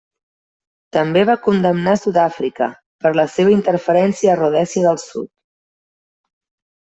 També va condemnar Sud-àfrica per la seva interferència a Rhodèsia del Sud.